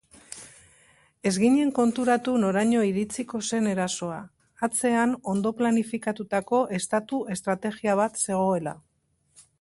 Ez ginen konturatu noraino iritsiko zen erasoa, atzean ondo planifikatutako estatu estrategia bat zegoela.